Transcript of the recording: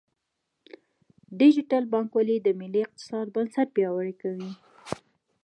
ډیجیټل بانکوالي د ملي اقتصاد بنسټ پیاوړی کوي.